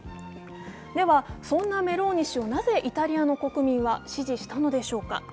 では、そんなメローニ氏をなぜ、イタリアの国民は支持したのでしょうか。